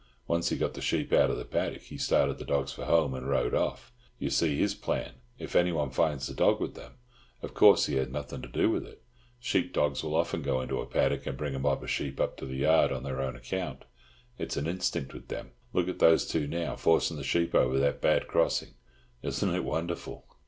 Once he got the sheep out of the paddock, he started the dogs for home, and rode off. You see his plan. If anyone finds the dogs with them, of course he had nothing to do with it. Sheep dogs will often go into a paddock, and bring a mob of sheep up to the yard on their own account. It's an instinct with them. Look at those two now, forcing the sheep over that bad crossing. Isn't it wonderful?"